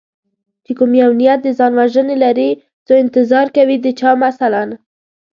چې کوم یو نیت د ځان وژنې لري څو انتظار کوي د چا مثلا